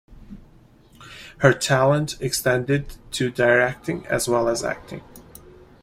Her talent extended to directing as well as acting.